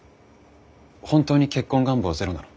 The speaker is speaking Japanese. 本当に結婚願望ゼロなの？